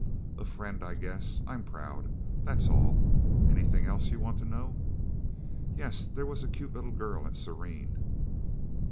A friend. I guess I'm proud. That's all. Anything else you want to know?" "Yeah. There was a cute little girl at Serene."